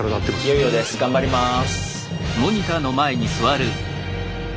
いよいよです頑張ります。